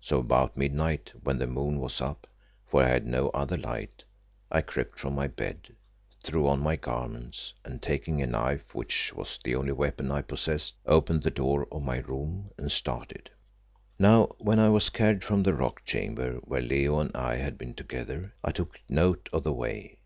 So about midnight, when the moon was up, for I had no other light, I crept from my bed, threw on my garments, and taking a knife, which was the only weapon I possessed, opened the door of my room and started. Now, when I was carried from the rock chamber where Leo and I had been together, I took note of the way.